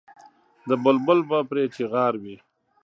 د بلبل به پرې چیغار وي.